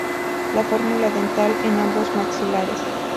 La fórmula dental en en ambos maxilares.